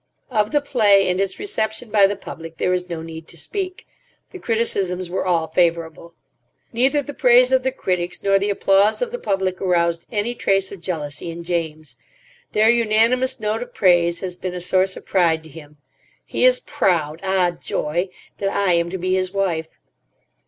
Of the play and its reception by the public there is no need to speak. The criticisms were all favourable. Neither the praise of the critics nor the applause of the public aroused any trace of jealousy in James. Their unanimous note of praise has been a source of pride to him. He is proud—ah, joy!—that I am to be his wife.